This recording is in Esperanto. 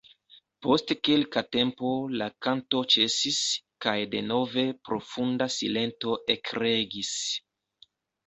Post kelka tempo la kanto ĉesis, kaj denove profunda silento ekregis.